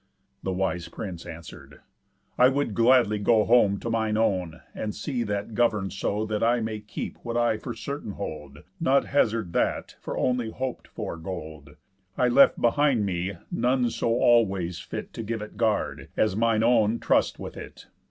The wise prince answer'd: "I would gladly go Home to mine own, and see that govern'd so That I may keep what I for certain hold, Not hazard that for only hop'd for gold. I left behind me none so all ways fit To give it guard, as mine own trust with it.